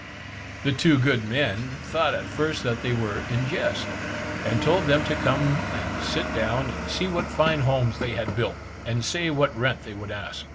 The two good men thought at first that they were in jest, and told them to come and sit down, and see what fine homes they had built, and say what rent they would ask.